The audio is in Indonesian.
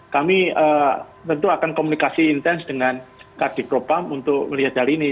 kami tentu akan komunikasi intens dengan kd propam untuk melihat hal ini